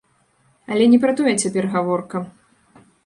Але не пра тое цяпер гаворка.